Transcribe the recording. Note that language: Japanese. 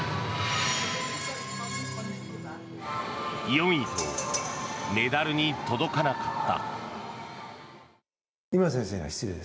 ４位と、メダルに届かなかった。